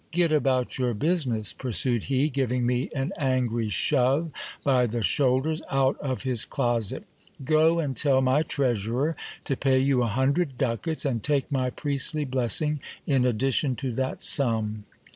Get about your business ! pursued he, giving me an angry shove by the shoulders out of his closet ; go and tell my treasurer to pay you a hundred ducats, and take my priestly blessing in addition to that sum.